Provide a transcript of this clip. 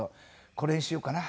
「これにしようかな？